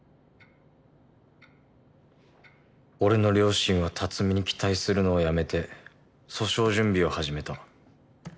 俺の両親は辰巳に期待するのをやめて訴訟準備を始めた。